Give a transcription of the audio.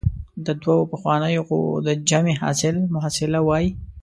د دوو پخوانیو قوو د جمع حاصل محصله وايي.